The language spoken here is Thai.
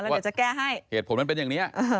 ว่าเหตุผลมันเป็นอย่างนี้